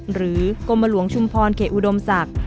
หรือกรมลวงชุมพรเขะอุดมศักรณ์